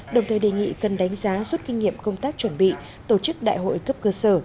đồng thời đề nghị cần đánh giá rút kinh nghiệm công tác chuẩn bị tổ chức đại hội cấp cơ sở